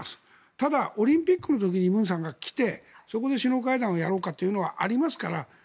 ただ、オリンピックの時に文さんが来てそこで首脳会談をやろうというのがありますから。